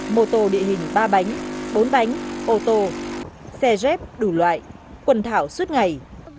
mô tô địa hình ba bánh bốn bánh ô tô xe đủ loại quần thảo suốt ngày